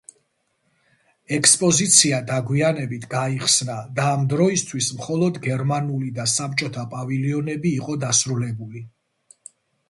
ექსპოზიცია დაგვიანებით გაიხსნა და ამ დროისთვის მხოლოდ გერმანული და საბჭოთა პავილიონები იყო დასრულებული.